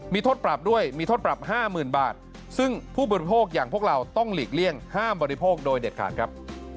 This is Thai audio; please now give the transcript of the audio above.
มีโทษปรับด้วยมีโทษปรับ๕๐๐๐บาทซึ่งผู้บริโภคอย่างพวกเราต้องหลีกเลี่ยงห้ามบริโภคโดยเด็ดขาดครับ